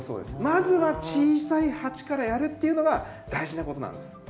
まずは小さい鉢からやるっていうのが大事なことなんです。